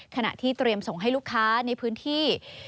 ขณะที่เตรียมส่งให้ลูกค้าในพื้นที่